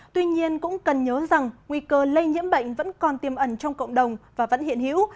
tuy nhiên cũng cần nhớ rằng nguy cơ lây nhiễm bệnh vẫn còn tiêm ẩn trong cộng đồng và vẫn hiện hữu